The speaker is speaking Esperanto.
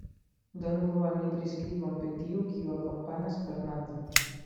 Donu do al mi priskribon pri tiu, kiu akompanas Fernandon.